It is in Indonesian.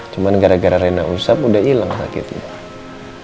cuma gara gara rena usap udah hilang sakitnya